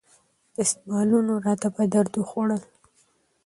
دستمالونو راته په درد وخوړل.